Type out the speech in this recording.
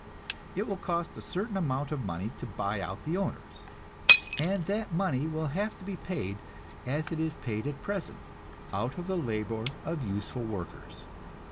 It will cost a certain amount of money to buy out the owners, and that money will have to be paid, as it is paid at present, out of the labor of the useful workers.